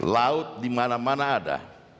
laut dimana mana ada